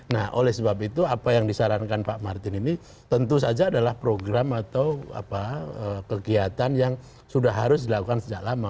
nah oleh sebab itu apa yang disarankan pak martin ini tentu saja adalah program atau kegiatan yang sudah harus dilakukan sejak lama